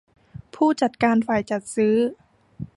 ผู้จัดการฝ่ายจัดซื้อ